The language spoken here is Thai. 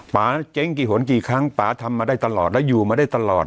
เจ๊งกี่หนกี่ครั้งป่าทำมาได้ตลอดแล้วอยู่มาได้ตลอด